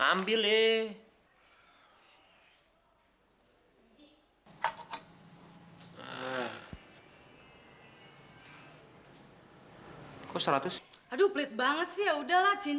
ada sekepan ada resek